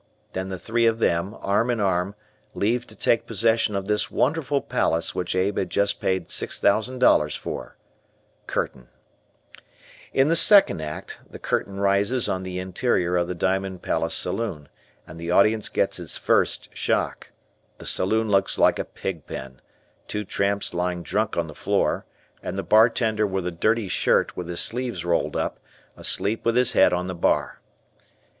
Then the three of them, arm in arm, leave to take possession of this wonderful palace which Abe had just paid $6,000 for. (Curtain.) {Illustration: Programme} In the second act the curtain rises on the interior of the Diamond Palace Saloon, and the audience gets its first shock. The saloon looks like a pig pen, two tramps lying drunk on the floor, and the bartender in a dirty shirt with his sleeves rolled up, asleep with his head on the bar.